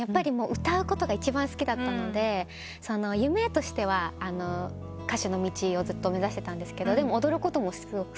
歌うことが一番好きだったので夢としては歌手の道をずっと目指してたんですが踊ることもすごく好きで。